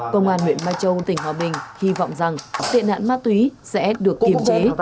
công an huyện mai châu tỉnh hòa bình hy vọng rằng tệ nạn ma túy sẽ được kiềm chế